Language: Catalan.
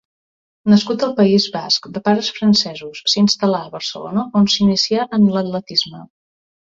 Nascut al País Basc de pares francesos, s'instal·là a Barcelona, on s'inicià en l'atletisme.